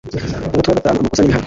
umutwe wa vii amakosa n ibihano